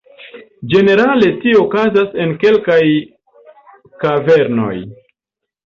Ĝenerale tio okazas en kelkaj kavernoj.